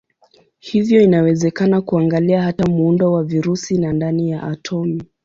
Hivyo inawezekana kuangalia hata muundo wa virusi na ndani ya atomi.